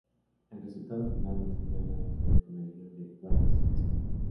El resultado final no tenía nada que ver con el guion que Welles escribió.